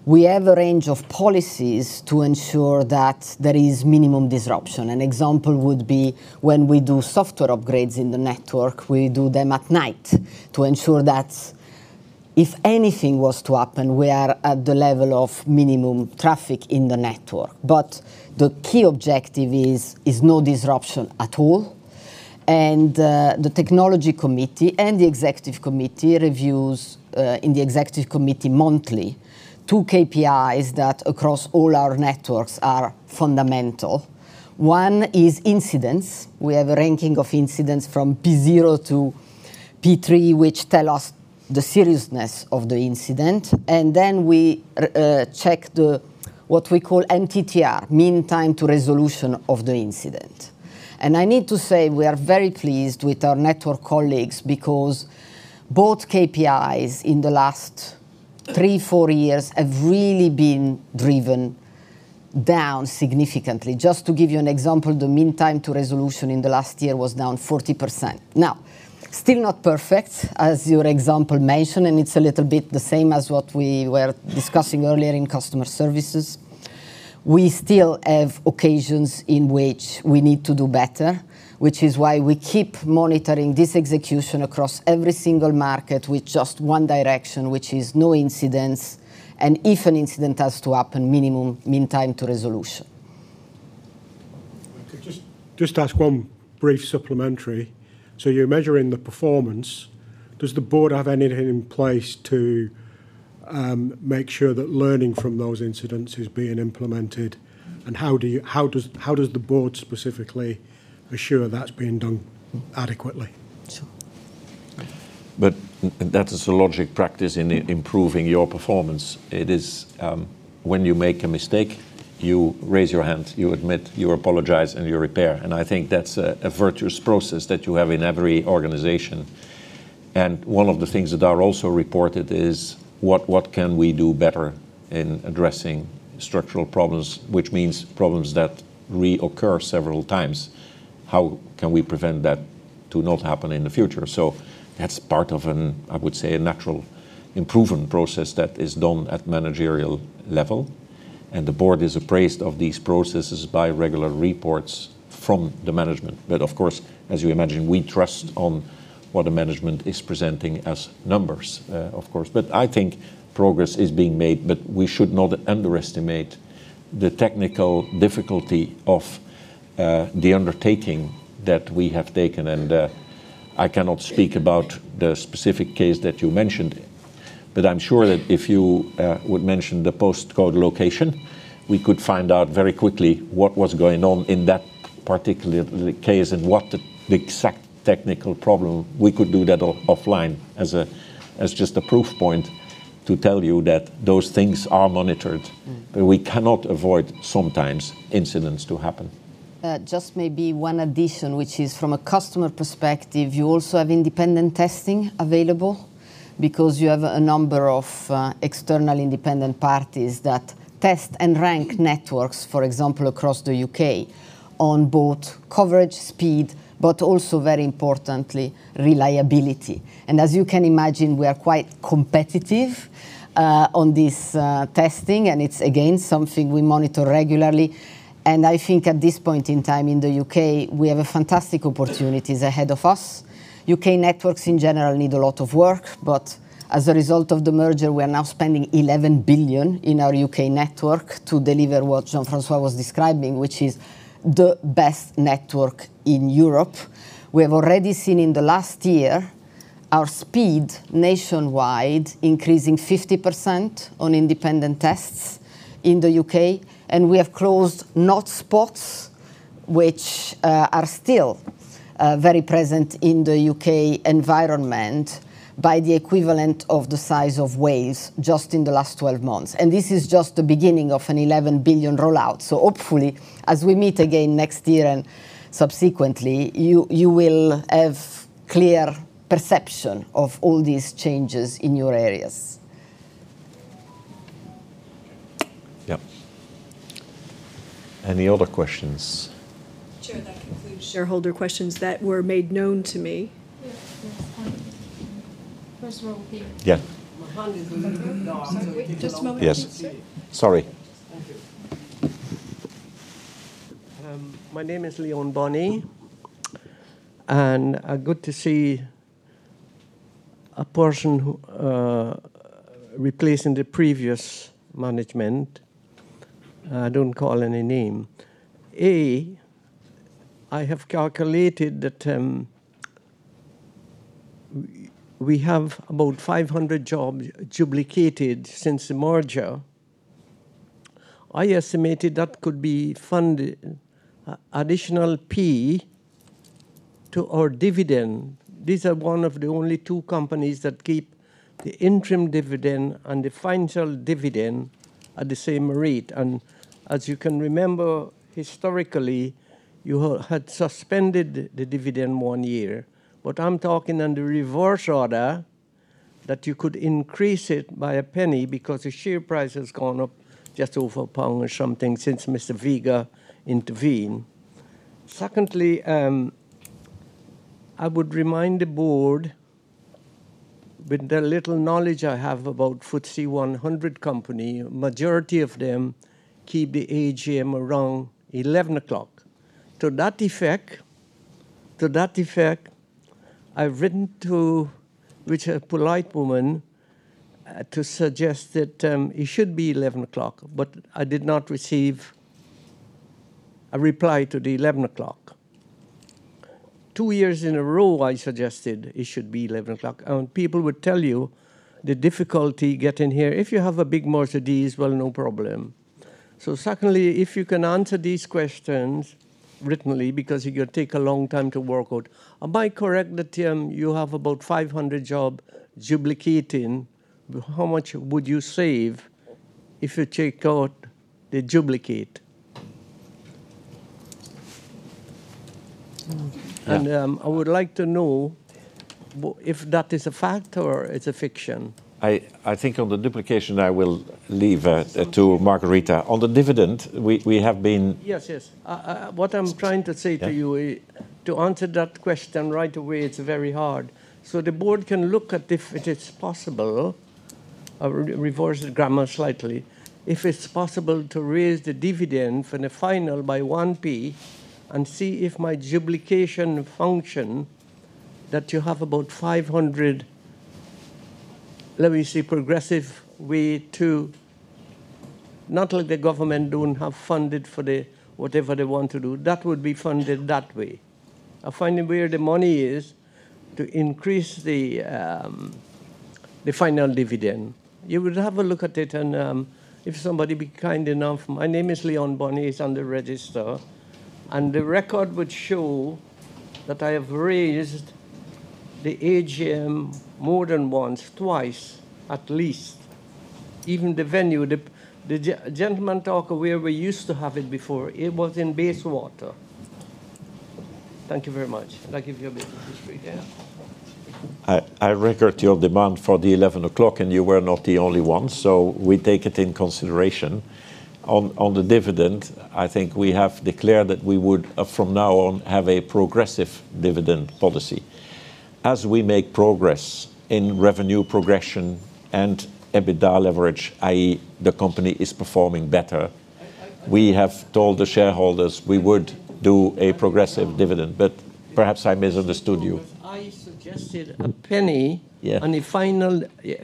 We have a range of policies to ensure that there is minimum disruption. An example would be when we do software upgrades in the network, we do them at night to ensure that if anything was to happen, we are at the level of minimum traffic in the network. The key objective is no disruption at all. The technology committee and the executive committee reviews, in the executive committee monthly, two KPIs that across all our networks are fundamental. One is incidents. We have a ranking of incidents from P0 to P3, which tell us the seriousness of the incident. We check the, what we call MTTR, mean time to resolution of the incident. I need to say, we are very pleased with our network colleagues because both KPIs in the last three, four years have really been driven down significantly. Just to give you an example, the mean time to resolution in the last year was down 40%. Still not perfect, as your example mentioned, and it's a little bit the same as what we were discussing earlier in customer services. We still have occasions in which we need to do better, which is why we keep monitoring this execution across every single market with just one direction, which is no incidents, and if an incident has to happen, minimum mean time to resolution. Could I just ask one brief supplementary? You're measuring the performance. Does the board have anything in place to make sure that learning from those incidents is being implemented? How does the board specifically assure that's being done adequately? Sure. That is a logic practice in improving your performance. It is when you make a mistake, you raise your hand, you admit, you apologize, and you repair. I think that's a virtuous process that you have in every organization. One of the things that are also reported is what can we do better in addressing structural problems, which means problems that reoccur several times. How can we prevent that to not happen in the future? That's part of a natural improvement process that is done at managerial level, the board is appraised of these processes by regular reports from the management. Of course, as you imagine, we trust on what the management is presenting as numbers. I think progress is being made, but we should not underestimate the technical difficulty of the undertaking that we have taken. I cannot speak about the specific case that you mentioned, but I'm sure that if you would mention the postcode location, we could find out very quickly what was going on in that particular case and what the exact technical problem. We could do that offline as just a proof point to tell you that those things are monitored. We cannot avoid sometimes incidents to happen. Maybe one addition, which is from a customer perspective, you also have independent testing available because you have a number of external independent parties that test and rank networks, for example, across the U.K., on both coverage, speed, but also very importantly, reliability. As you can imagine, we are quite competitive on this testing, it's again, something we monitor regularly. I think at this point in time in the U.K., we have fantastic opportunities ahead of us. U.K. networks in general need a lot of work, but as a result of the merger, we are now spending 11 billion in our U.K. network to deliver what Jean-François was describing, which is the best network in Europe. We have already seen in the last year our speed nationwide increasing 50% on independent tests in the U.K., we have closed not spots, which are still very present in the U.K. environment by the equivalent of the size of Wales just in the last 12 months. This is just the beginning of an 11 billion rollout. Hopefully, as we meet again next year and subsequently, you will have clear perception of all these changes in your areas. Yep. Any other questions? Chair, that concludes shareholder questions that were made known to me. Yes. First of all. Yeah. My hand is a little bit down. Just a moment. Yes. Sorry. Thank you. My name is Leon Bonnie, good to see a person who replacing the previous management. I don't call any name. I have calculated that we have about 500 jobs duplicated since the merger. I estimated that could be funded additional GBP 0.01 to our dividend. These are one of the only two companies that keep the interim dividend and the final dividend at the same rate. As you can remember, historically, you had suspended the dividend one year. I'm talking in the reverse order, that you could increase it by GBP 0.01 because the share price has gone up just over GBP 1 or something since Mr. Vega intervened. Secondly, I would remind the board, with the little knowledge I have about FTSE 100 company, majority of them keep the AGM around 11:00 A.M. To that effect, I've written to reach a polite woman to suggest that it should be 11:00 A.M., I did not receive a reply to the 11:00 A.M. Two years in a row, I suggested it should be 11:00 A.M. People would tell you the difficulty getting here. If you have a big Mercedes, well, no problem. Secondly, if you can answer these questions writtenly, because it could take a long time to work out. Am I correct that you have about 500 job duplicating? How much would you save if you take out the duplicate? Yeah. I would like to know if that is a fact or it's a fiction. I think on the duplication, I will leave to Margherita. On the dividend, we have been. Yes. What I'm trying to say to you. Yeah. To answer that question right away, it's very hard. The board can look at if it is possible, I will reverse the grammar slightly, if it's possible to raise the dividend for the final by 0.01 and see if my duplication function that you have about 500, let me see, progressive way to, not like the government don't have funded for whatever they want to do. That would be funded that way. Finding where the money is to increase the final dividend. You would have a look at it and if somebody be kind enough, my name is Leon Bonnie, it's on the register. The record would show that I have raised the AGM more than once, twice, at least. Even the venue. The gentleman talk where we used to have it before, it was in Bayswater. Thank you very much. I give you a bit of history there. I record your demand for the 11:00 A.M., and you were not the only one, so we take it in consideration. On the dividend, I think we have declared that we would, from now on, have a progressive dividend policy. As we make progress in revenue progression and EBITDA leverage, i.e., the company is performing better, we have told the shareholders we would do a progressive dividend. Perhaps I misunderstood you. I suggested a GBP 0.01- Yeah. -on the final,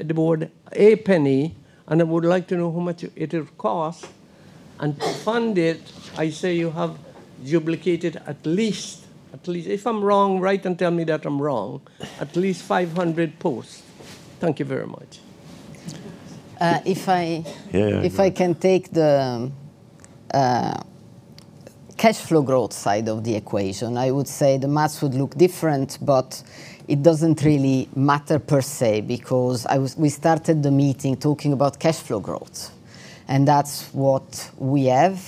the board GBP 0.01, I would like to know how much it would cost. To fund it, I say you have duplicated at least, if I'm wrong, write and tell me that I'm wrong, at least 500 posts. Thank you very much. If I- Yeah. If I can take the cashflow growth side of the equation, I would say the math would look different, but it doesn't really matter per se, because we started the meeting talking about cashflow growth. That's what we have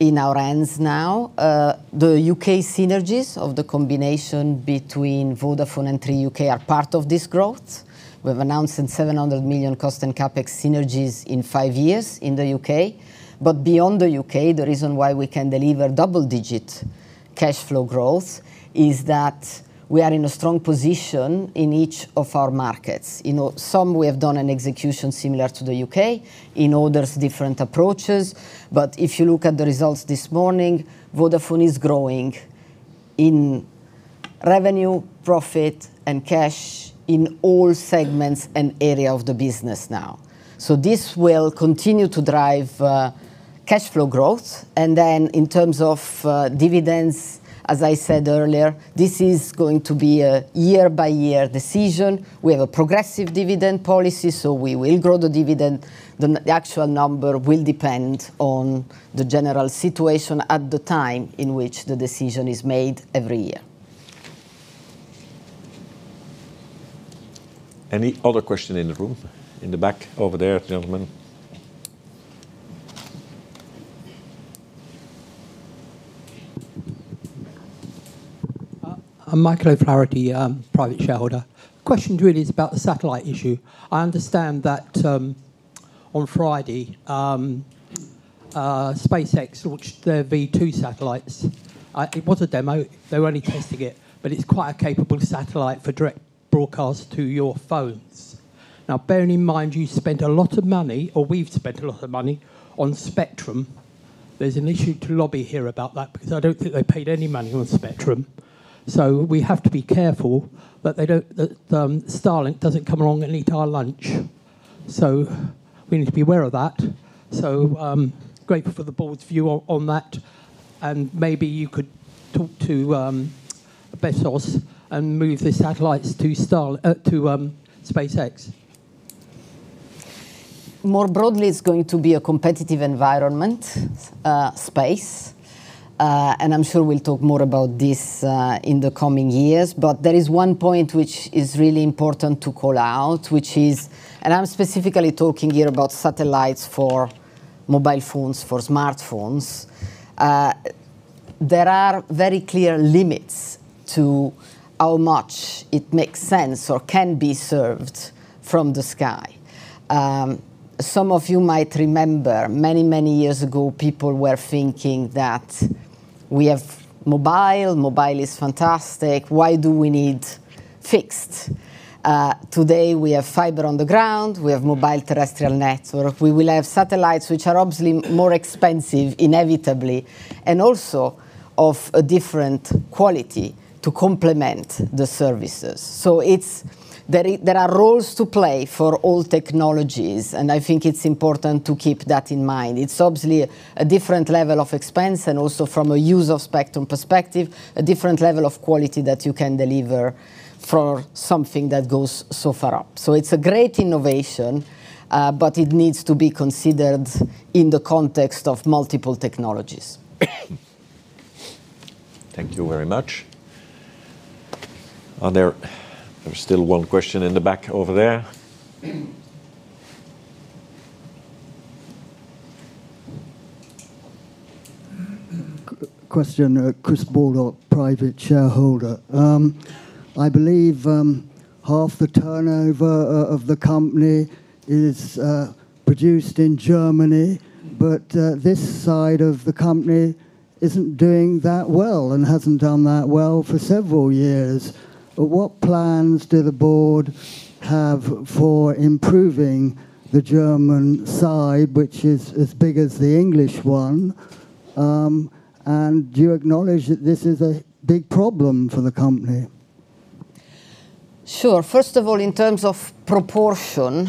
in our hands now. The U.K. synergies of the combination between Vodafone and Three U.K. are part of this growth. We've announced 700 million cost and CapEx synergies in five years in the U.K. Beyond the U.K., the reason why we can deliver double-digit cashflow growth is that we are in a strong position in each of our markets. In some, we have done an execution similar to the U.K., in others, different approaches. If you look at the results this morning, Vodafone is growing in revenue, profit, and cash in all segments and area of the business now. This will continue to drive cashflow growth. In terms of dividends, as I said earlier, this is going to be a year-by-year decision. We have a progressive dividend policy, so we will grow the dividend. The actual number will depend on the general situation at the time in which the decision is made every year. Any other question in the room? In the back, over there, gentleman. I'm Michael O'Flaherty, private shareholder. Question really is about the satellite issue. I understand that on Friday, SpaceX launched their V2 satellites. It was a demo. They were only testing it. It's quite a capable satellite for direct broadcast to your phones. Bearing in mind, you spent a lot of money, or we've spent a lot of money on spectrum. There's an issue to lobby here about that because I don't think they paid any money on spectrum. We have to be careful that Starlink doesn't come along and eat our lunch. We need to be aware of that. Grateful for the board's view on that. Maybe you could talk to Bezos and move the satellites to SpaceX. More broadly, it's going to be a competitive environment space. I'm sure we'll talk more about this in the coming years. There is one point which is really important to call out, which is I'm specifically talking here about satellites for mobile phones, for smartphones. There are very clear limits to how much it makes sense or can be served from the sky. Some of you might remember, many years ago, people were thinking that we have mobile. Mobile is fantastic. Why do we need fixed? Today, we have fiber on the ground, we have mobile terrestrial network. We will have satellites, which are obviously more expensive inevitably, and also of a different quality to complement the services. There are roles to play for all technologies, and I think it's important to keep that in mind. It's obviously a different level of expense and also from a use of spectrum perspective, a different level of quality that you can deliver for something that goes so far up. It's a great innovation, but it needs to be considered in the context of multiple technologies. Thank you very much. There's still one question in the back over there. Question. Chris Baldock, private shareholder. I believe half the turnover of the company is produced in Germany, but this side of the company isn't doing that well and hasn't done that well for several years. What plans do the board have for improving the German side, which is as big as the English one? Do you acknowledge that this is a big problem for the company? Sure. First of all, in terms of proportion,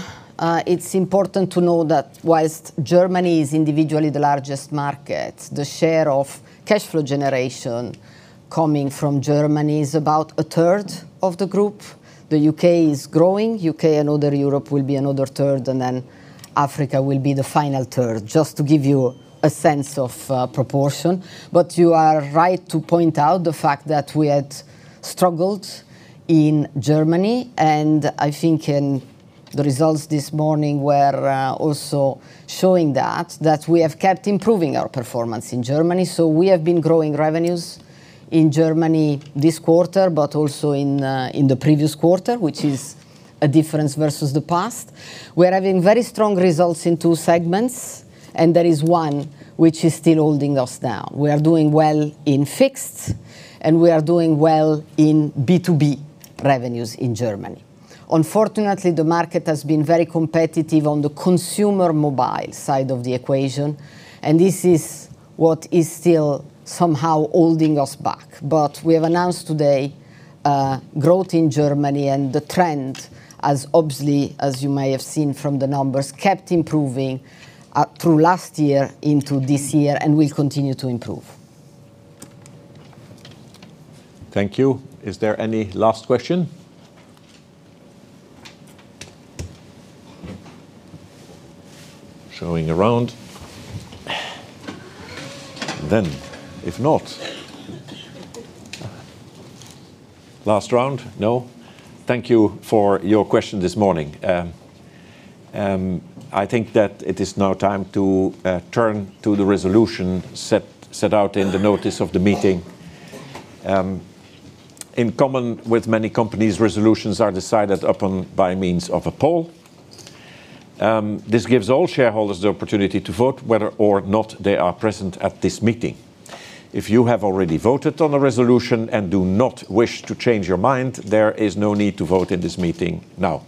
it's important to know that whilst Germany is individually the largest market, the share of cash flow generation coming from Germany is about a third of the group. The U.K. is growing. U.K. and other Europe will be another third, and Africa will be the final third, just to give you a sense of proportion. You are right to point out the fact that we had struggled in Germany, and I think in the results this morning were also showing that we have kept improving our performance in Germany. We have been growing revenues in Germany this quarter, but also in the previous quarter, which is a difference versus the past. We are having very strong results in two segments, and there is one which is still holding us down. We are doing well in fixed, we are doing well in B2B revenues in Germany. Unfortunately, the market has been very competitive on the consumer mobile side of the equation, this is what is still somehow holding us back. We have announced today growth in Germany and the trend as obviously as you may have seen from the numbers, kept improving through last year into this year and will continue to improve. Thank you. Is there any last question? Showing around. If not last round? No. Thank you for your question this morning. I think that it is now time to turn to the resolution set out in the notice of the meeting. In common with many companies, resolutions are decided upon by means of a poll. This gives all shareholders the opportunity to vote, whether or not they are present at this meeting. If you have already voted on a resolution and do not wish to change your mind, there is no need to vote in this meeting now.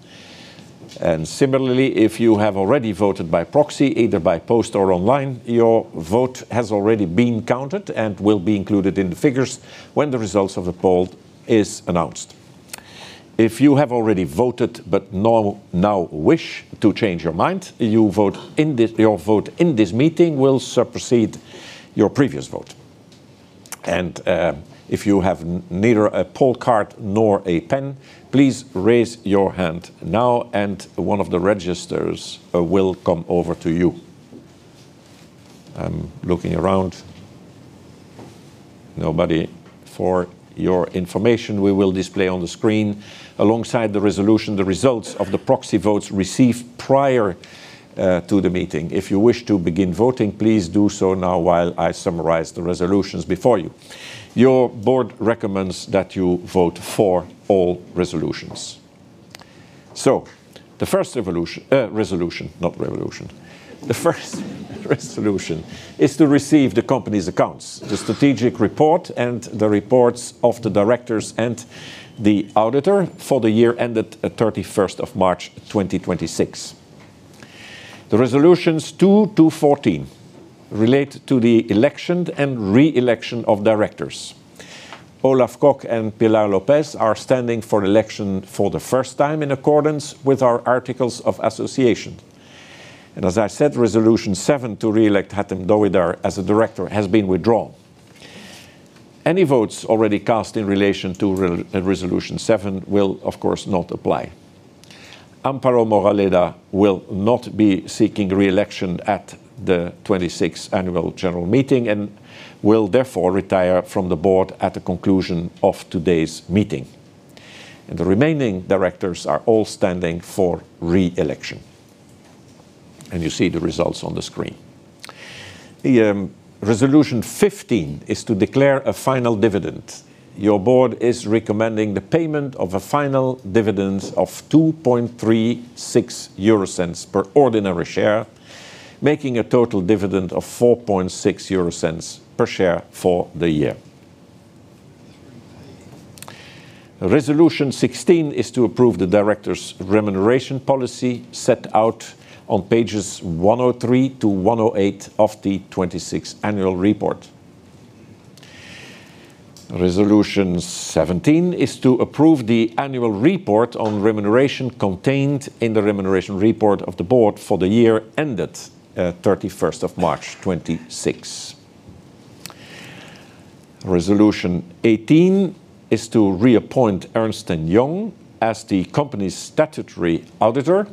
Similarly, if you have already voted by proxy, either by post or online, your vote has already been counted and will be included in the figures when the results of the poll is announced. If you have already voted but now wish to change your mind, your vote in this meeting will supersede your previous vote. If you have neither a poll card nor a pen, please raise your hand now and one of the registrars will come over to you. I'm looking around. Nobody. For your information, we will display on the screen alongside the resolution, the results of the proxy votes received prior to the meeting. If you wish to begin voting, please do so now while I summarize the resolutions before you. Your board recommends that you vote for all resolutions. The first resolution, not revolution, is to receive the company's accounts, the strategic report, and the reports of the directors and the auditor for the year ended at 31st of March 2026. The Resolutions 2-14 relate to the election and re-election of directors. Olaf Koch and Pilar López are standing for election for the first time in accordance with our articles of association. As I said, Resolution 7 to re-elect Hatem Dowidar as a director has been withdrawn. Any votes already cast in relation to Resolution 7 will, of course, not apply. Amparo Moraleda will not be seeking re-election at the 26th annual general meeting and will therefore retire from the board at the conclusion of today's meeting. The remaining directors are all standing for re-election, you see the results on the screen. The Resolution 15 is to declare a final dividend. Your board is recommending the payment of a final dividend of 0.0236 per ordinary share, making a total dividend of 0.046 per share for the year. Resolution 16 is to approve the directors' remuneration policy set out on pages 103-108 of the 26th annual report. Resolution 17 is to approve the annual report on remuneration contained in the remuneration report of the board for the year ended 31st of March 2026. Resolution 18 is to reappoint Ernst & Young as the company's statutory auditor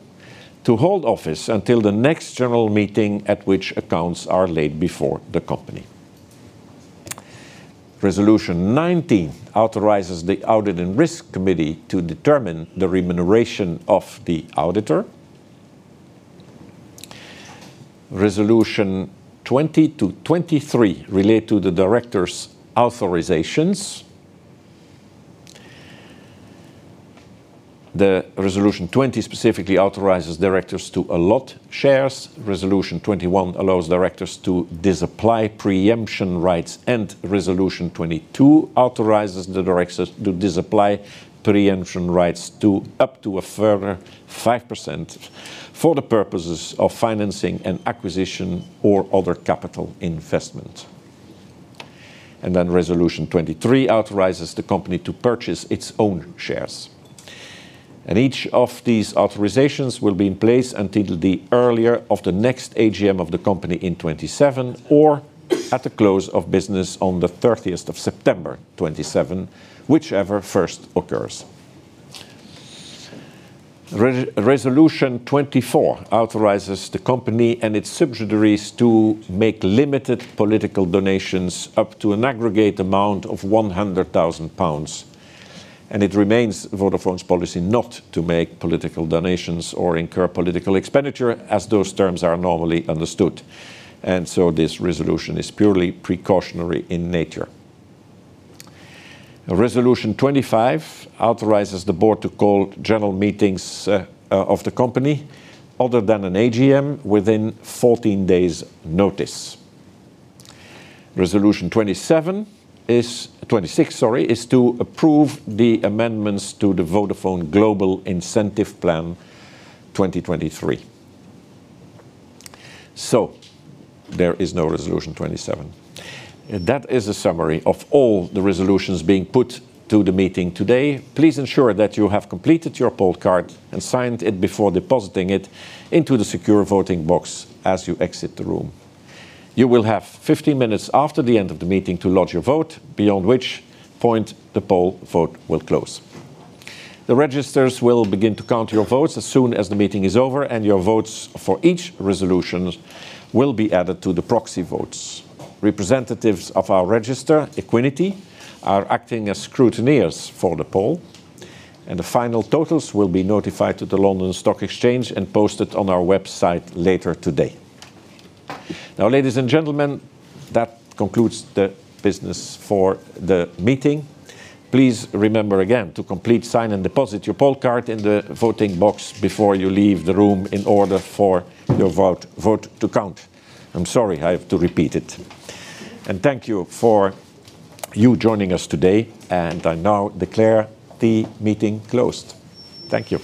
to hold office until the next general meeting at which accounts are laid before the company. Resolution 19 authorizes the audit and risk committee to determine the remuneration of the auditor. Resolutions 20-23 relate to the directors' authorizations. The Resolution 20 specifically authorizes directors to allot shares. Resolution 21 allows directors to disapply pre-emption rights, Resolution 22 authorizes the directors to disapply pre-emption rights to up to a further 5% for the purposes of financing an acquisition or other capital investment. Resolution 23 authorizes the company to purchase its own shares. Each of these authorizations will be in place until the earlier of the next AGM of the company in 2027 or at the close of business on the 30th of September 2027, whichever first occurs. Resolution 24 authorizes the company and its subsidiaries to make limited political donations up to an aggregate amount of 100,000 pounds. It remains Vodafone's policy not to make political donations or incur political expenditure as those terms are normally understood. This resolution is purely precautionary in nature. Resolution 25 authorizes the board to call general meetings of the company other than an AGM within 14 days notice. Resolution 26, sorry, is to approve the amendments to the Vodafone Global Incentive Plan 2023. There is no Resolution 27. That is a summary of all the resolutions being put to the meeting today. Please ensure that you have completed your poll card and signed it before depositing it into the secure voting box as you exit the room. You will have 15 minutes after the end of the meeting to lodge your vote, beyond which point the poll vote will close. The registrars will begin to count your votes as soon as the meeting is over. Your votes for each resolution will be added to the proxy votes. Representatives of our register, Equiniti, are acting as scrutineers for the poll. The final totals will be notified to the London Stock Exchange and posted on our website later today. Ladies and gentlemen, that concludes the business for the meeting. Please remember again to complete, sign, and deposit your poll card in the voting box before you leave the room in order for your vote to count. I'm sorry I have to repeat it. Thank you for you joining us today. I now declare the meeting closed. Thank you